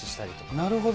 なるほど。